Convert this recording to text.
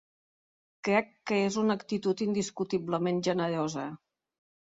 Crec que és una actitud indiscutiblement generosa.